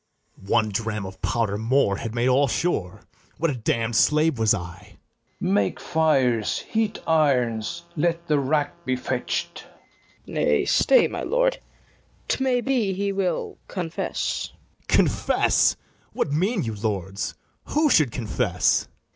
BARABAS. One dram of powder more had made all sure: What a damn'd slave was I! [Aside.] FERNEZE. Make fires, heat irons, let the rack be fetch'd. FIRST KNIGHT. Nay, stay, my lord; 't may be he will confess. BARABAS. Confess! what mean you, lords? who should confess?